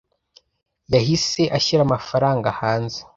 yahise ashyira amafaranga hanze